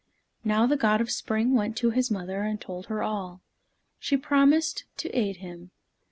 Now the God of Spring went to his mother, and told her all. She promised to aid him.